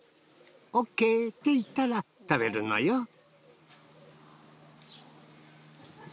「ＯＫって言ったら食べるのよ」